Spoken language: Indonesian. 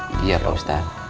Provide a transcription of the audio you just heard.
iya pak ustadz